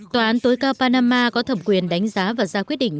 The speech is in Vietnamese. tòa án tối cao panama có thẩm quyền đánh giá và ra quyết định